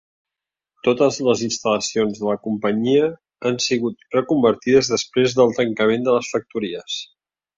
Totes les instal·lacions de la companyia han sigut reconvertides després del tancament de les factories.